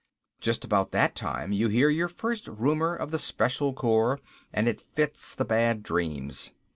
Just about that time you hear your first rumor of the Special Corps and it fits the bad dreams.